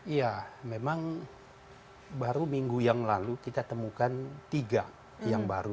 iya memang baru minggu yang lalu kita temukan tiga yang baru